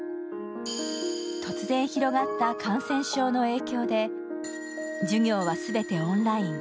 突然広がった感染症の影響で授業は全てオンライン。